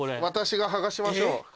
私が剥がしましょう。